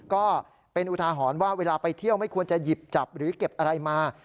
ก็เป็นอุทาหรณ์ว่าเวลาไปเที่ยวไม่ควรจะหยิบจับหรือเก็บอะไรมา